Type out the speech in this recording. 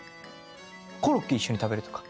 コロッケ一緒に食べるとか？